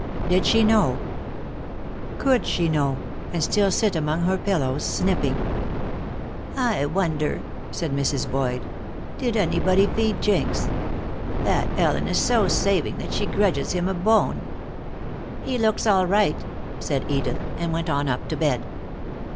Did she know? Could she know, and still sit among her pillows, snipping? "I wonder," said Mrs. Boyd, "did anybody feed Jinx? That Ellen is so saving that she grudges him a bone." "He looks all right," said Edith, and went on up to bed.